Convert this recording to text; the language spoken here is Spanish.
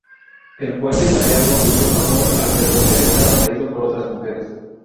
El poeta italiano ocultó su amor al pretender estar atraído por otras mujeres.